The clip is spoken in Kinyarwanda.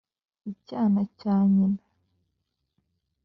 icyana cya nyina